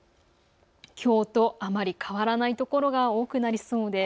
きょうとあまり変わらないところが多くなりそうです。